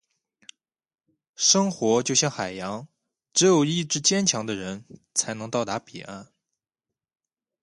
生活就像海洋，只有意志坚强的人，才能到达彼岸。